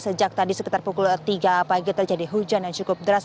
sejak tadi sekitar pukul tiga pagi terjadi hujan yang cukup deras